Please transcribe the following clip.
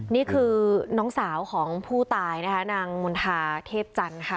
นี่คือน้องสาวของผู้ตายนะคะนางมณฑาเทพจันทร์ค่ะ